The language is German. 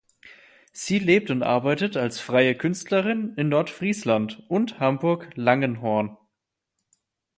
Sie lebt und arbeitet als freie Künstlerin in Nordfriesland und Hamburg-Langenhorn.